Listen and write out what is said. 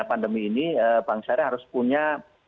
pandemi ini bank syariah harus punya